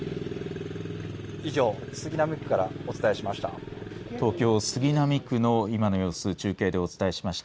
以上、杉並区からお伝えしました。